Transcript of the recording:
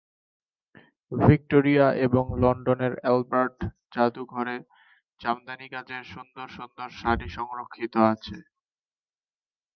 Victoria এবং লন্ডনের Albert জাদুঘরে জামদানি কাজের সুন্দর সুন্দর শাড়ি সংরক্ষিত আছে।